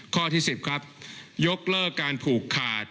ข้อที่๑๐ครับยกเลิกการผูกขาด